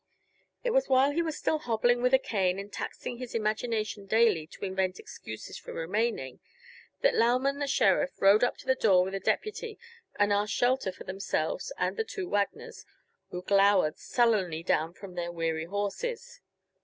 It was while he was still hobbling with a cane and taxing his imagination daily to invent excuses for remaining, that Lauman, the sheriff, rode up to the door with a deputy and asked shelter for themselves and the two Wagners, who glowered sullenly down from their weary horses.